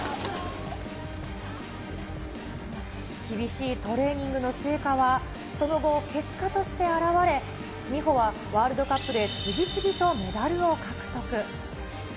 厳しいトレーニングの成果は、その後、結果として表れ、美帆はワールドカップで次々とメダルを獲得。